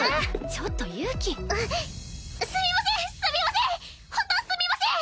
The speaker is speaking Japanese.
すみませんすみません！